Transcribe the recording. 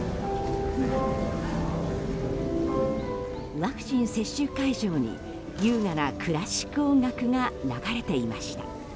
ワクチン接種会場に優雅なクラシック音楽が流れていました。